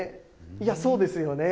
いや、そうですよね。